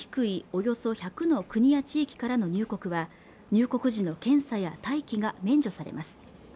およそ１００の国や地域からの入国は入国時の検査や待機が免除されます